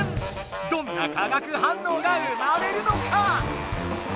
どんな化学反応が生まれるのか？